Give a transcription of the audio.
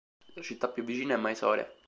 La città più vicina è Mysore.